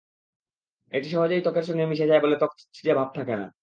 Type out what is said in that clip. এটি সহজেই ত্বকের সঙ্গে মিশে যায় বলে ত্বকে চিটচিটে ভাব থাকে না।